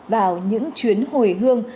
vào những chuyến hồi hương